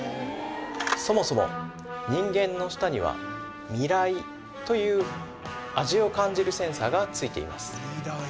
そもそも人間の舌には味蕾という味を感じるセンサーがついています